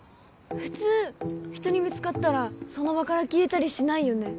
普通人にぶつかったらその場から消えたりしないよね